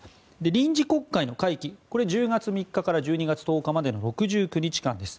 臨時国会の会期１０月３日から１２月１０日までの６９日間です。